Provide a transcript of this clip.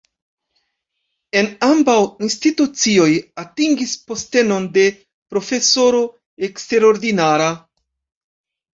En ambaŭ institucioj atingis postenon de profesoro eksterordinara.